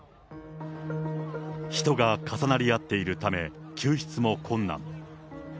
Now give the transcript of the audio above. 人が重なり合っているため、救出も困難。